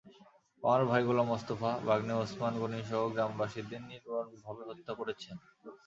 আমার ভাই গোলাম মোস্তফা, ভাগনে ওসমান গনিসহ গ্রামবাসীদের নির্মমভাবে হত্যা করেছেন।